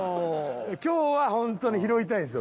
今日は本当に拾いたいんですよ俺。